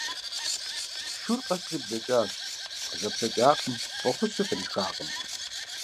Шур къэсри блэкӏащ, къызэплъэкӏакъым, фӏэхъуси кърихакъым.